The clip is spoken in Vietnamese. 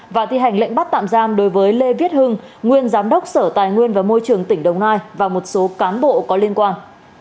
và thi hành lệnh bắt tạm giam đối với lê viết hưng nguyên giám đốc sở tài nguyên và môi trường tỉnh đồng nai và một số cán bộ có liên quan